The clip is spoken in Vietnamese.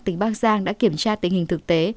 tỉnh bắc giang đã kiểm tra tình hình thực tế